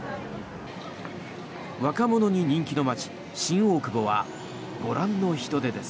若者に人気の街、新大久保はご覧の人出です。